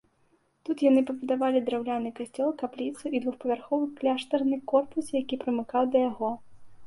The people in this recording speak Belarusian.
Тут яны пабудавалі драўляны касцёл, капліцу і двухпавярховы кляштарны корпус, які прымыкаў да яго.